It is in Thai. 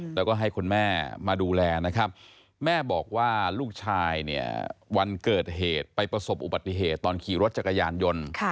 แล้วก็ให้คุณแม่มาดูแลนะครับแม่บอกว่าลูกชายเนี่ยวันเกิดเหตุไปประสบอุบัติเหตุตอนขี่รถจักรยานยนต์